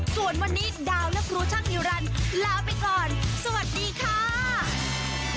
ส่วนวันนี้ดาวและครูช่างอิรันลาไปก่อนสวัสดีค่ะ